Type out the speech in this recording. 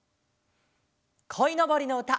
「こいのぼり」のうた